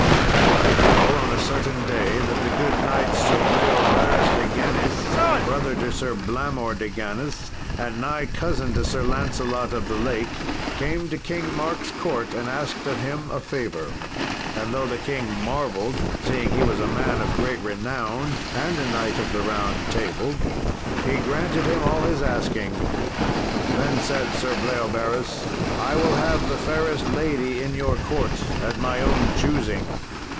Then it befell upon a certain day that the good knight Sir Bleoberis de Ganis, brother to Sir Blamor de Ganis, and nigh cousin to Sir Lancelot of the Lake, came to King Mark's court and asked of him a favour. And though the king marvelled, seeing he was a man of great renown, and a knight of the Round Table, he granted him all his asking. Then said Sir Bleoberis, "I will have the fairest lady in your court, at my own choosing."